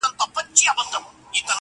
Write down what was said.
را ایستل یې له قبرونو کفنونه.!